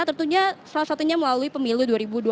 tentunya salah satunya melalui pemilu dua ribu dua puluh